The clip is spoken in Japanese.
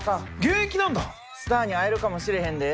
スターに会えるかもしれへんで。